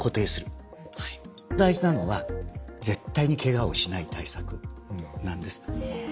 大事なのは絶対にケガをしない対策なんです。